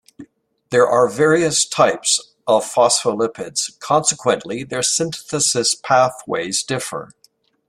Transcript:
There are various types of phospholipids; consequently, their synthesis pathways differ.